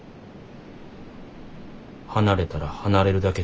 離れたら離れるだけ強くなる。